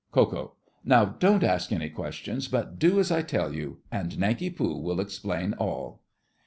KO. Now, don't ask any questions, but do as I tell you, and Nanki Poo will explain all.